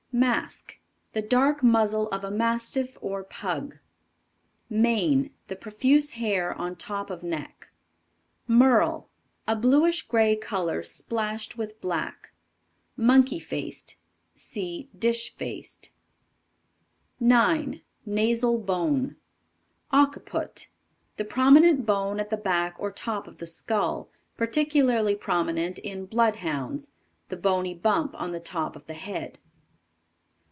Mask. The dark muzzle of a Mastiff or Pug. Mane. The profuse hair on top of neck. Merle. A bluish gray color splashed with black. Monkey faced. See Dish faced. 9. NASAL BONE. Occiput. The prominent bone at the back or top of the skull; particularly prominent in Bloodhounds; the bony bump on the top of the head.